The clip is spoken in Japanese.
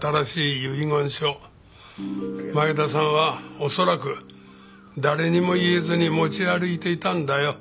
書前田さんは恐らく誰にも言えずに持ち歩いていたんだよ